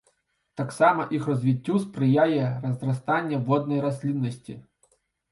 Таксама іх развіццю спрыяе разрастанне воднай расліннасці.